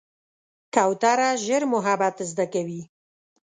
کوتره ژر محبت زده کوي.